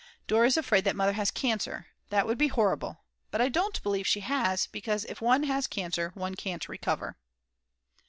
Dora is afraid that Mother has cancer, that would be horrible; but I don't believe she has, because if one has cancer one can't recover.